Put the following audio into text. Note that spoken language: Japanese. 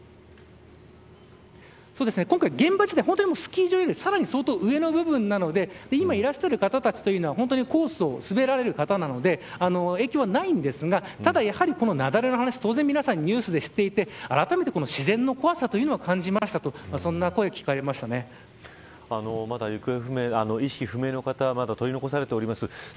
今回、現場自体本当にスキー場よりさらに相当、上の部分なので今いらっしゃる方たちというのはコースを滑られる方なので影響ないんですがただ、やはり雪崩のニュースを知っていてあらためて自然の怖さは感じましたとまだ意識不明の方取り残されております。